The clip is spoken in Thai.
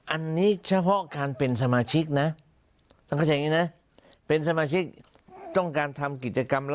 อันนี้เฉพาะการเป็นสมาชิกนะถ้าเป็นสมาชิกต้องการทำกิจกรรม